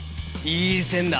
いい線だ！